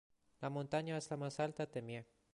La montaña es la más alta de Mie.